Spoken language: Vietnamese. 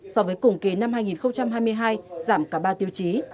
so với cùng kỳ năm hai nghìn hai mươi hai giảm cả ba tiêu chí